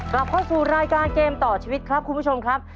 กลับเข้าสู่รายการเกมต่อชีวิตครับคุณผู้ชมครับ